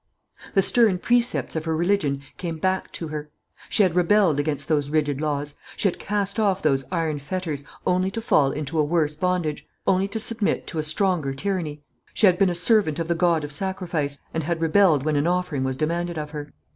The stern precepts of her religion came back to her. She had rebelled against those rigid laws, she had cast off those iron fetters, only to fall into a worse bondage; only to submit to a stronger tyranny. She had been a servant of the God of Sacrifice, and had rebelled when an offering was demanded of her.